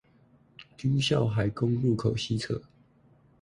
軍校海功路口西側